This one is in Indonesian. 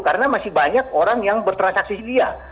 karena masih banyak orang yang bertransaksi dia